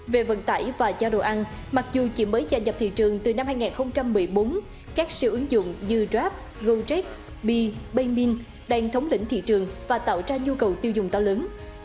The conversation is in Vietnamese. về vận tải và gia đồ ăn mặc dù chỉ mới gia nhập thị trường từ năm hai nghìn một mươi bốn các siêu ứng dụng như grab gojec bi bamin đang thống lĩnh thị trường và tạo ra nhu cầu tiêu dùng to lớn